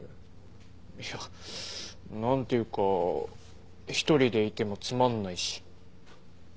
いや何ていうか一人でいてもつまんないし。